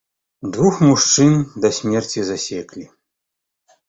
Двух мужчын да смерці засеклі.